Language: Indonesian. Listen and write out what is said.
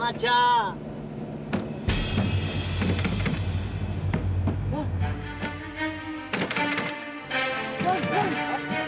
bawa mobilnya perlahan lahan aja ya